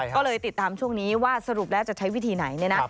ก็เลยติดตามช่วงนี้ว่าสรุปแล้วจะใช้วิธีไหนเนี่ยนะ